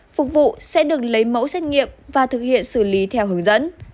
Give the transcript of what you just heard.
phục vụ sẽ được lấy mẫu xét nghiệm và thực hiện xử lý theo hướng dẫn